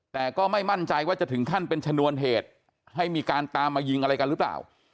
แต่ก็ไม่มั่นใจว่าจะถึงขั้นเป็นชนวนเหตุให้มีการตามมายิงอะไรกันหรือเปล่า